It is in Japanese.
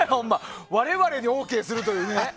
我々でＯＫするというね！